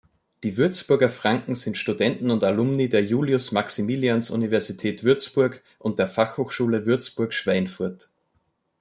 Die Würzburger Franken sind Studenten und Alumni der Julius-Maximilians-Universität Würzburg und der Fachhochschule Würzburg-Schweinfurt.